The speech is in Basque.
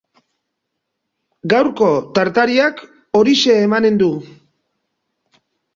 Gaurko tartariak horixe emanen du.